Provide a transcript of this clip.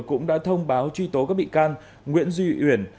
cũng đã thông báo truy tố các bị can nguyễn duy uyển